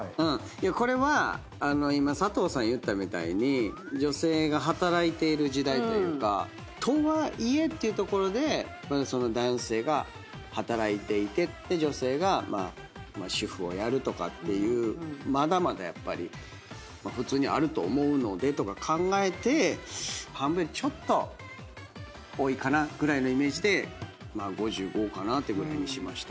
これは今佐藤さん言ったみたいに女性が働いている時代というか。とはいえっていうところで男性が働いていて女性が主婦をやるとかっていうまだまだやっぱり普通にあると思うのでとか考えて半分よりちょっと多いかなぐらいのイメージで５５かなってぐらいにしました。